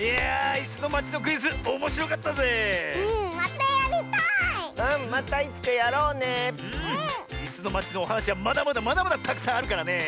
「いすのまち」のおはなしはまだまだまだまだたくさんあるからね！